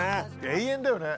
永遠だよね。